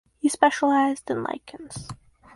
He specialized in lichens.